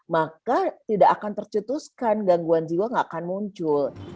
maka tidak akan tercetuskan gangguan jiwa tidak akan muncul